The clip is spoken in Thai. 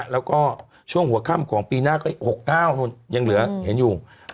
แล้วก็ช่วงหัวค่ำของปีหน้าก็๖๙ยังเหลือเห็นอยู่